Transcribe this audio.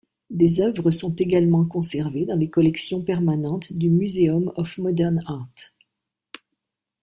Des œuvres sont également conservées dans les collections permanentes du Museum of Modern Art.